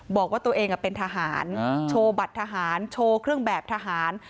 บอกว่าตัวเองเป็นทหารโชว์บัตรทหารโชว์เครื่องแบบทหาร